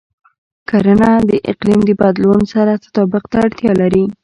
کرنه د اقلیم د بدلون سره تطابق ته اړتیا لري.